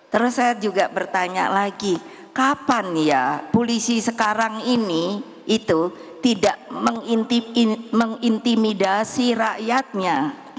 terus saya juga bertanya lagi kapan ya polisi sekarang ini itu tidak mengintimidasi rakyatnya